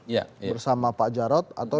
bersama pak jarod atau